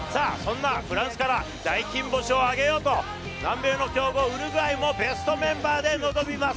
フランスから大金星を挙げようと、南米の強豪・ウルグアイもベストメンバーで臨みます。